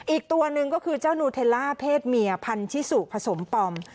อีกตัวหนึ่งก็คือเจ้านูเทลล่าเพศเมียพันธิสุผสมปอม